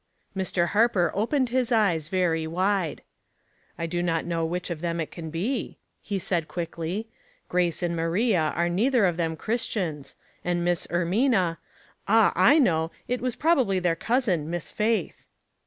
Mr. Harper opened his eyes very wide. 279 280 Household Puzzles. "I Jo not know wliich of them it can be,'* he said, quickly. " Grace and Maria are neither of them Christians, and Miss Ermina — Ah, I know; it was probabl}" their cousin, Miss Faith."